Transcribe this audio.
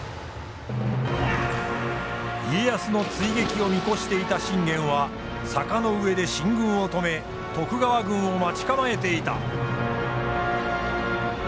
家康の追撃を見越していた信玄は坂の上で進軍を止め徳川軍を待ち構えていた。